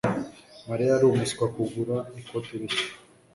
Mariya yari umuswa kugura ikote rishya